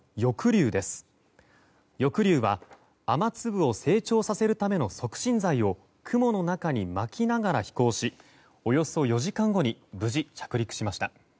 「翼竜」は雨粒を成長させるための促進剤を雲の中にまきながら飛行しおよそ４時間後に無事、着陸しました。